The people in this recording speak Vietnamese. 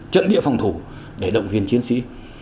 trận địa phòng thủ để động viên chiến sĩ